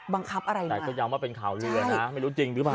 อะไรนะแต่ก็ย้ำว่าเป็นข่าวเรือนะไม่รู้จริงหรือเปล่า